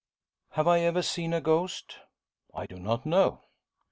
Have I ever seen a ghost? I do not know.